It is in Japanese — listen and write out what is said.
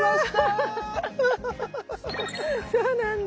あらそうなんだ。